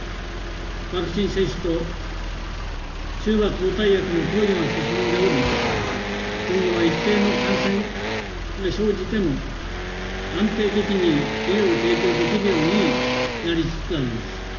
ワクチン接種と中和抗体薬の投与が進んでおり、今後は一定の感染が生じても、安定的に医療を提供できるようになりつつあります。